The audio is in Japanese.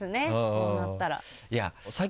こうなったら。